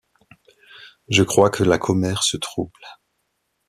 Je crois que la commère se trouble!